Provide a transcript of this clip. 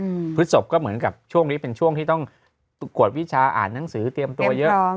อืมพฤศพก็เหมือนกับช่วงนี้เป็นช่วงที่ต้องกวดวิชาอ่านหนังสือเตรียมตัวเยอะเตรียมพร้อม